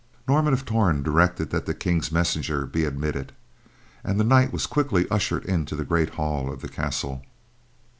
Norman of Torn directed that the King's messenger be admitted, and the knight was quickly ushered into the great hall of the castle.